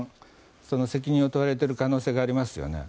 その責任を問われている可能性がありますよね。